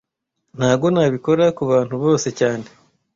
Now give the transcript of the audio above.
Ntago nabikora kubantu bose cyane